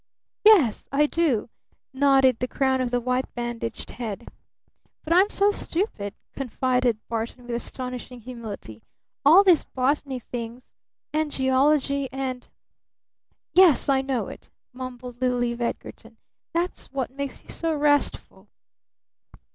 "Yes I do," nodded the crown of the white bandaged head. "But I'm so stupid," confided Barton, with astonishing humility. "All these botany things and geology and " "Yes, I know it," mumbled little Eve Edgarton. "That's what makes you so restful."